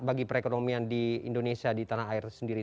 bagi perekonomian di indonesia di tanah air sendiri